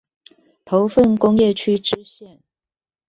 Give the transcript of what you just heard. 頭份工業區支線